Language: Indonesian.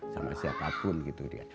sama siapapun gitu dia